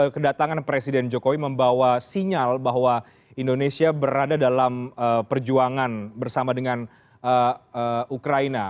kedatangan presiden jokowi membawa sinyal bahwa indonesia berada dalam perjuangan bersama dengan ukraina